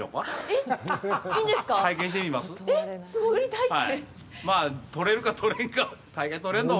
えっ、素潜り体験！？